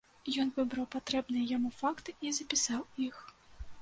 Ён выбраў патрэбныя яму факты і запісаў іх.